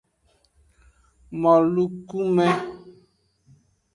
Molukume.